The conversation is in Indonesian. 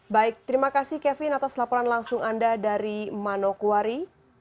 baik terima kasih kevin atas laporan langsung anda dari manokwari